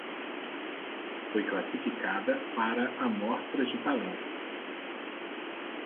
Foi classificada para a mostra de talentos